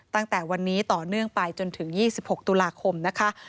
ตั้งแต่วันนี้ต่อเนื่องไปจนถึง๒๖ตุลาคมนะคะ